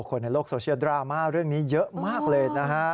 คนในโลกโซเชียลดราม่าเรื่องนี้เยอะมากเลยนะฮะ